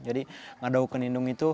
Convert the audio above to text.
jadi ngadauken indung itu